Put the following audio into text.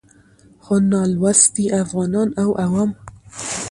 خو نالوستي افغانان او عوام